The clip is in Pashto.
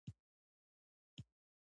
د خپل ځان مدیریت: